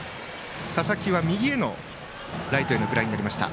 佐々木は右へのライトへのフライになりました。